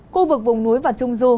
khu vực vùng núi và trung du